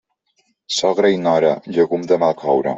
Sogra i nora, llegum de mal coure.